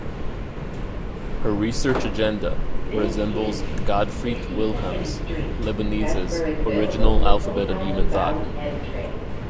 Her research agenda resembles Gottfried Wilhelm Leibniz's original "alphabet of human thought".